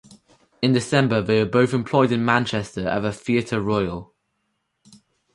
In December they were both employed in Manchester at the Theatre Royal.